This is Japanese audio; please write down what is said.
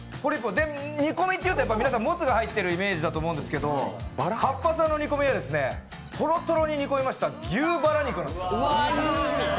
で、煮込みっていうともつが入ってるイメージだと思うんですけど、かっぱさんの煮込みはとろとろに煮込みました牛バラ肉なんです。